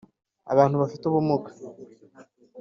abantu bafite ubumuga